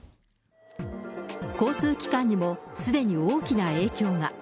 交通機関にもすでに大きな影響が。